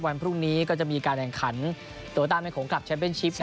วันพรุ่งนี้ก็จะมีการแข่งขันโตต้าแม่โขงคลับแชมเป็นชิป